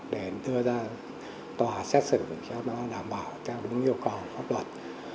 để đưa ra tòa xét xử cho nó đảm bảo theo đúng yêu cầu pháp luật